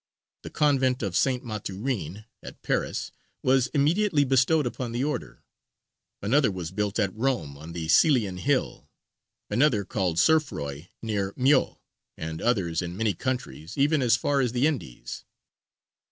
The convent of S. Mathurin at Paris was immediately bestowed upon the Order, another was built at Rome on the Coelian Hill, another called Cerfroy near Meaux, and others in many countries, even as far as the Indies.